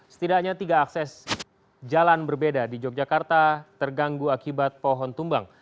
setidaknya tiga akses jalan berbeda di yogyakarta terganggu akibat pohon tumbang